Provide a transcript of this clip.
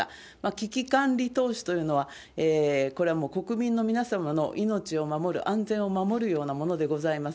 危機管理投資というのは、これはもう国民の皆様の命を守る、安全を守るようなものでございます。